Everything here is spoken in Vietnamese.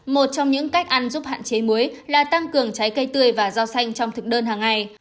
một trong những cách ăn giúp hạn chế muối là tăng cường trái cây tươi và rau xanh trong thực đơn hàng ngày